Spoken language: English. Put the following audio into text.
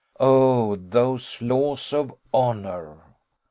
Oh, those laws of honour!